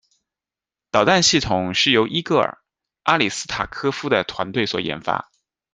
导弹系统是由伊戈尔·阿里斯塔科夫的团队所研发。